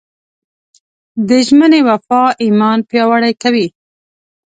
د ژمنې وفا ایمان پیاوړی کوي.